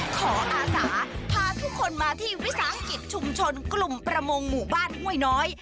อาสาพาทุกคนมาที่วิสาหกิจชุมชนกลุ่มประมงหมู่บ้านห้วยน้อย